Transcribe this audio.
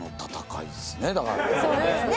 そうですね。